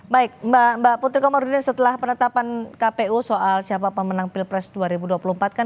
baik mbak putri komarudin setelah penetapan kpu soal siapa pemenang pilpres dua ribu dua puluh empat kan